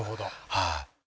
はい。